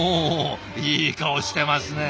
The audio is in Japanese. いい顔してますね。